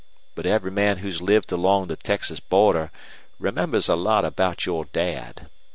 But every man who's lived along the Texas border remembers a lot about your Dad.